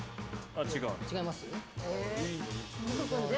違います？